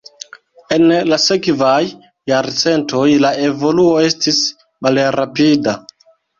En la sekvaj jarcentoj la evoluo estis malrapida.